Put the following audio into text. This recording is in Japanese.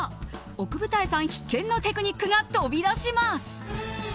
奥二重さん必見のテクニックが飛び出します！